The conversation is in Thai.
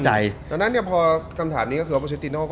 แต่ล่อรุ่นั้นอ่ะเรามั่นใจ